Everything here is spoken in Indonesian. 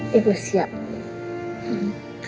lalu kita harus bersikap tenang